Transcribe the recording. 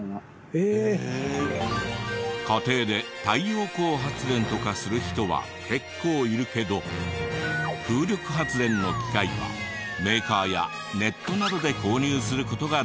家庭で太陽光発電とかする人は結構いるけど風力発電の機械はメーカーやネットなどで購入する事ができるそうで。